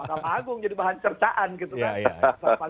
mahkamah agung jadi bahan cercaan gitu kan